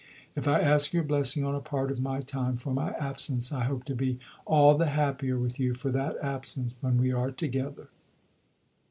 If I ask your blessing on a part of my time for my absence, I hope to be all the happier with you for that absence when we are together.